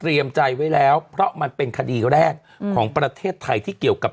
ใจไว้แล้วเพราะมันเป็นคดีแรกของประเทศไทยที่เกี่ยวกับ